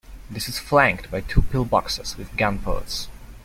This is flanked by two pillboxes with gun ports.